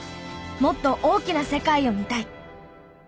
もっと大きな世界を見たい。